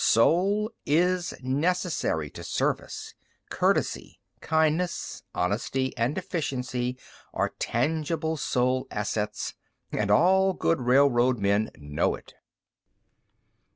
Soul is necessary to service. Courtesy, kindness, honesty and efficiency are tangible soul assets; and all good railroad men know it."